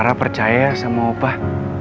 rara percaya sama opah